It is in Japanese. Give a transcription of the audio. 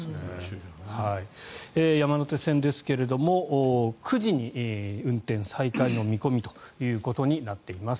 山手線ですが９時に運転再開の見込みということになっています。